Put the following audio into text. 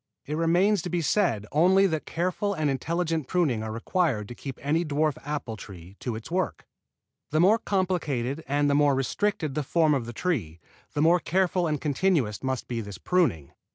It remains to be said only that careful and intelligent pruning are required to keep any dwarf apple tree to its work. The more complicated and the more restricted the form of the tree, the more careful and continuous must be this pruning.